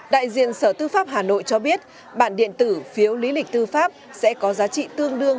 đại diện sở tư pháp hà nội cho biết bản điện tử phiếu lý lịch tư pháp sẽ có giá trị tương đương